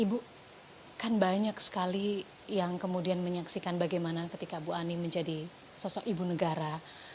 ibu kan banyak sekali yang kemudian menyaksikan bagaimana ketika bu ani menjadi sosok ibu negara